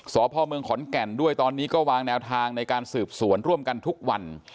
สพเมืองขอนแก่นด้วยตอนนี้ก็วางแนวทางในการสืบสวนร่วมกันทุกวัน